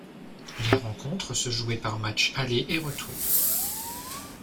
Les rencontres se jouaient par matches aller et retour.